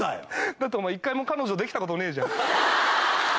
だってお前１回も彼女できたことねえじゃん。